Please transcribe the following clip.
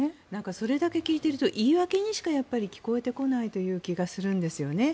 それだけ聞いてると言い訳にしか聞こえてこないという気がするんですよね。